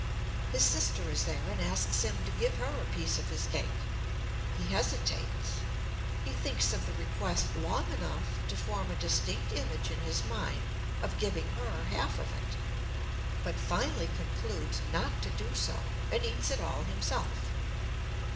His sister is there and asks him to give her a piece of his cake. He hesitates. He thinks of the request long enough to form a distinct image in his mind of giving her half of it, but finally concludes not to do so, and eats it all himself.